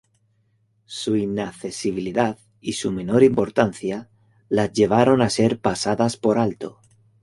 Su inaccesibilidad y su menor importancia las llevaron a ser pasadas por alto.